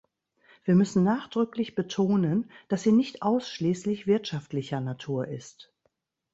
Wir müssen nachdrücklich betonen, dass sie nicht ausschließlich wirtschaftlicher Natur ist.